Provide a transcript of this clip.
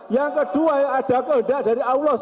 yang kedua yang ada kehendak dari allah